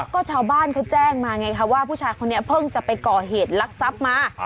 ก็ชาวบ้านเขาแจ้งมาไงคะว่าผู้ชายคนนี้เพิ่งจะไปก่อเหตุลักษัพมา